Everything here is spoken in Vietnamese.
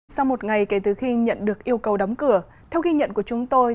sau một ngày kể từ khi nhận được yêu cầu đóng cửa theo ghi nhận của chúng tôi